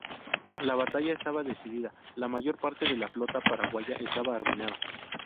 La batalla estaba decidida: la mayor parte de la flota paraguaya estaba arruinada.